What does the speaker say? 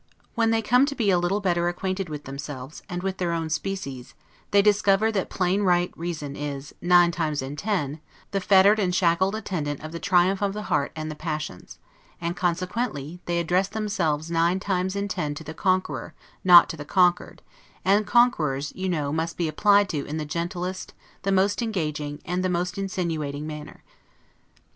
When they come to be a little better acquainted with themselves, and with their own species, they discover that plain right reason is, nine times in ten, the fettered and shackled attendant of the triumph of the heart and the passions; and, consequently, they address themselves nine times in ten to the conqueror, not to the conquered: and conquerors, you know, must be applied to in the gentlest, the most engaging, and the most insinuating manner.